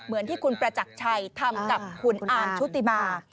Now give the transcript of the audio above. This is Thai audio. เหมือนที่คุณประจักรชัยทำกับคุณอาร์มชุติมา